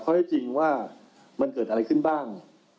ได้จริงว่ามันเกิดอะไรขึ้นบ้าง